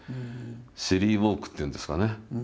「シリーウォーク」っていうんですかね。